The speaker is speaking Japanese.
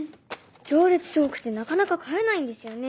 行列すごくてなかなか買えないんですよね。